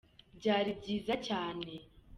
Byari byiza cyane.